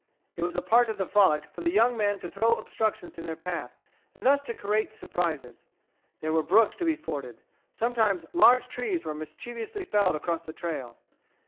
It was a part of the frolic for the young men to throw obstructions in their path, and thus to create surprises. There were brooks to be forded. Sometimes large trees were mischievously felled across the trail.